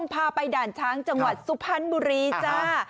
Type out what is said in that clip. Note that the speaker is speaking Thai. พาไปด่านช้างจังหวัดสุพรรณบุรีจ้า